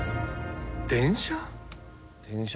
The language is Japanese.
電車？